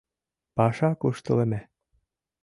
Паша куштылеме.